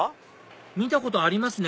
見たことありますね